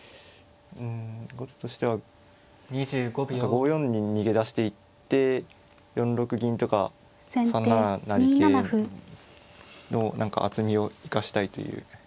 うん後手としては何か５四に逃げ出していって４六銀とか３七成桂の何か厚みを生かしたいという。